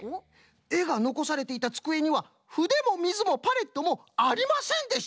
えがのこされていたつくえにはふでもみずもパレットもありませんでしたぞ！